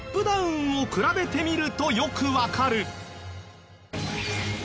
ダウンを比べてみるとよくわかる。